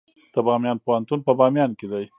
د بامیان پوهنتون په بامیان کې دی